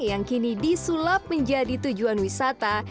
yang kini disulap menjadi tujuan wisata